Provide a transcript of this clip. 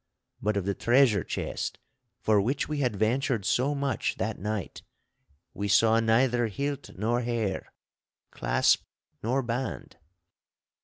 But of the treasure chest for which we had ventured so much that night, we saw neither hilt nor hair, clasp nor band.